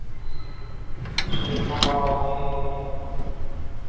شریفوں کا حال ہی اور ہے۔